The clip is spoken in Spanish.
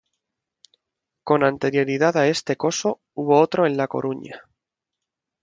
Con anterioridad a este coso, hubo otro en La Coruña.